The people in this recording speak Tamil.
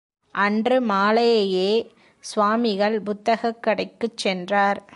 அன்று மாலேயே சுவாமிகள் புத்தகக் கடைக்குச் சென்றார்.